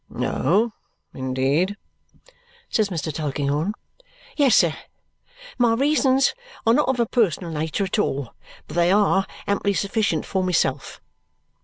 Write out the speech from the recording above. "Oh, indeed?" says Mr. Tulkinghorn. "Yes, sir. My reasons are not of a personal nature at all, but they are amply sufficient for myself."